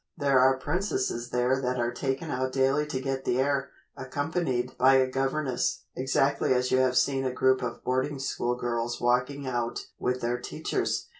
There are princesses there that are taken out daily to get the air, accompanied by a governess, exactly as you have seen a group of boarding school girls walking out with their teachers.